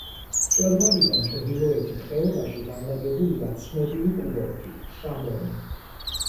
მწვერვალიდან ჩრდილოეთით ხეობაში განლაგებულია ცნობილი კურორტი შამონი.